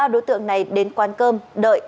ba đối tượng này đến quán cơm đợi